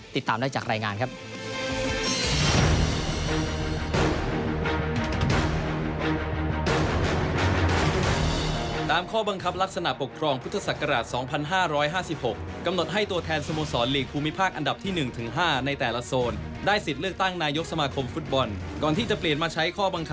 ติดตามได้จากรายงานครับ